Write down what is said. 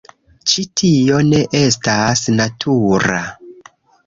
Ĉi tio ne estas natura...